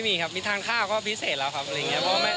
รีบร้อนอะไรเลย